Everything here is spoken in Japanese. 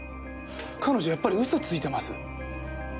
彼女やっぱり嘘ついてます。